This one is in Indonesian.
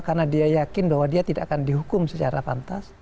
karena dia yakin bahwa dia tidak akan dihukum secara pantas